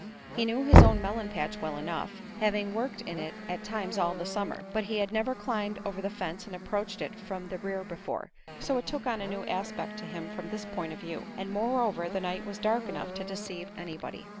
He knew his own melon patch well enough, having worked in it at times all the summer; but he had never climbed over the fence and approached it from the rear before, so it took on a new aspect to him from this point of view, and moreover the night was dark enough to deceive anybody.